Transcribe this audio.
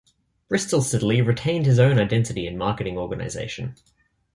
Bristol Siddeley retained its own identity and marketing organization.